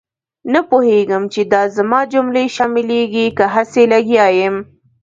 نه پوهېږم چې دا زما جملې شاملېږي که هسې لګیا یم.